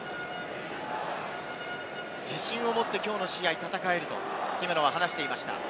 自信を持ってきょうの試合戦えると姫野は話していました。